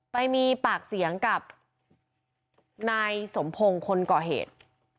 ไปมีปากเสียงกับนายสมพงศ์คนก่อเหตุ